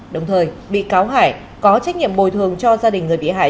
đồng thời bị cáo hải có trách nhiệm bồi thường cho gia đình người bị hại